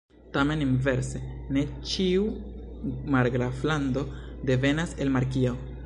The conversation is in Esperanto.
Tamen inverse, ne ĉiu margraflando devenas el markio.